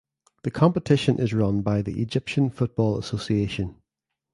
The competition is run by the Egyptian Football Association.